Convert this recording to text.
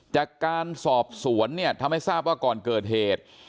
จากการสอบสวนเนี่ยทำให้ทราบว่าก่อนเกิดเหตุ